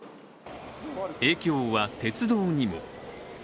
影響は鉄道にも。